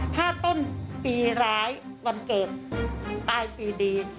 ถ้าต้นปีร้ายวันเกิดตายปีดี